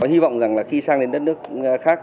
hy vọng rằng là khi sang đến đất nước khác